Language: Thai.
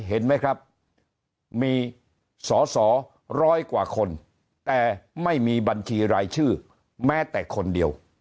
เห็นไหมครับมีสอสอร้อยกว่าคนแต่ไม่มีบัญชีรายชื่อแม้แต่คนเดียว